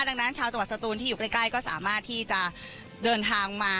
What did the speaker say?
ดังนั้นชาวจังหวัดสตูนที่อยู่ใกล้ก็สามารถที่จะเดินทางมา